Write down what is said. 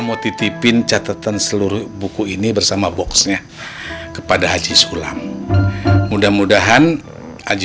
mau titipin catatan seluruh buku ini bersama boxnya kepada haji sulam mudah mudahan haji